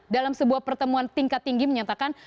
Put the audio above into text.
dalam sebuah pertemuan tingkat tinggi menyatakan